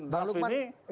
dengan dap ini